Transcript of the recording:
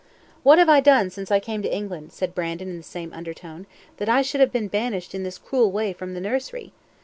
"What have I done since I came to England," said Brandon in the same undertone, "that I should have been banished in this cruel way from the nursery?